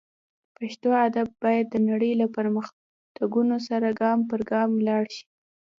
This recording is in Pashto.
پښتو ادب باید د نړۍ له پرمختګونو سره ګام پر ګام لاړ شي